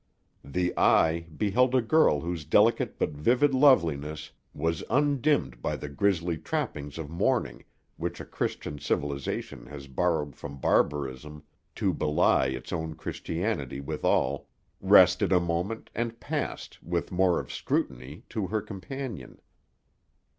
The eye beheld a girl whose delicate but vivid loveliness was undimmed by the grisly trappings of mourning which a Christian civilization has borrowed from barbarism to belie its own Christianity withal, rested a moment, and passed, with more of scrutiny, to her companion.